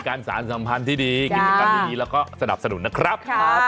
การสารสัมพันธ์ที่ดีกิจกรรมดีแล้วก็สนับสนุนนะครับ